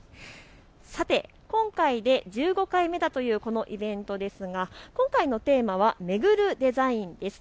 さて、今回で１５回目だというこのイベントですが今回のテーマはめぐるデザインです。